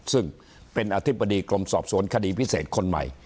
ซึ่งเป็นอธิบดีกรมสอบสวนคดีพิเศษคนใหม่